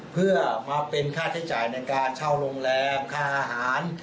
เพื่อมาเป็นค่าใช้จ่ายในการเช่าโรงแรมค่าอาหาร